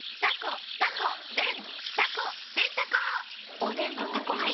おでんと「タコハイ」ん！